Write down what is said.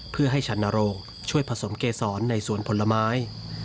เพื่อให้ชันนโรงช่วยผสมเกษรในสวนผลไม้